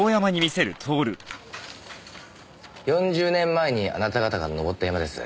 ４０年前にあなた方が登った山です。